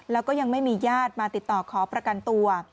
แล้วก็ยังไม่มีญาติมาติดต่อขอประกันตัว